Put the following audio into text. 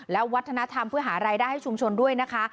และวัฒนธรรมเพื่อหารายได้ให้ชุมชนด้วยนะคะ